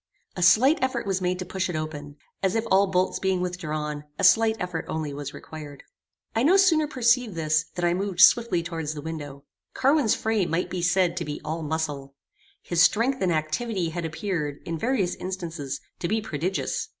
A slight effort was made to push it open, as if all bolts being withdrawn, a slight effort only was required. I no sooner perceived this, than I moved swiftly towards the window. Carwin's frame might be said to be all muscle. His strength and activity had appeared, in various instances, to be prodigious.